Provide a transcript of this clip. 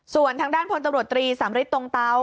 ส่วนทางด้านพลตำรวจ๓๓๐๐ตรงเต๊า